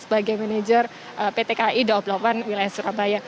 sebagai manajer pt kai dua puluh delapan wilayah surabaya